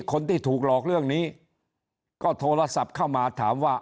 คนที่ถูกหลอกเรื่องนี้ก็โทรศัพท์เข้ามาถามว่า